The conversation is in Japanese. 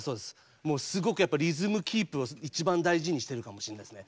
すごくやっぱりリズムキープを一番大事にしてるかもしれないですね。